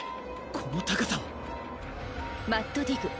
この高さは。マッドディグ。